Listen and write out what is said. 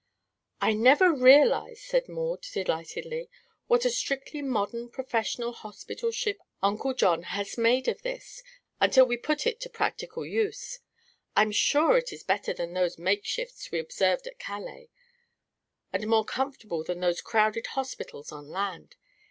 "I never realized," said Maud, delightedly, "what a strictly modern, professional hospital ship Uncle John has made of this, until we put it to practical use. I am sure it is better than those makeshifts we observed at Calais, and more comfortable than those crowded hospitals on land.